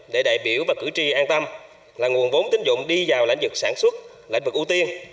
đại biểu và cử tri an tâm là nguồn vốn tính dụng đi vào lãnh vực sản xuất lãnh vực ưu tiên